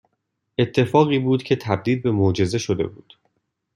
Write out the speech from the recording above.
اتفاقی بود که تبدیل به معجزه شده بود